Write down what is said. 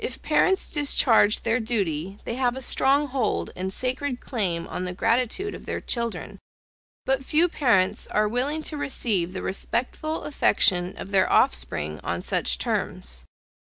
If parents discharge their duty they have a strong hold and sacred claim on the gratitude of their children; but few parents are willing to receive the respectful affection of their offspring on such terms.